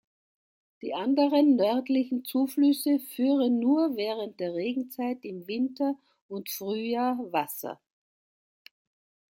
Die anderen nördlichen Zuflüsse führen nur während der Regenzeit im Winter und Frühjahr Wasser.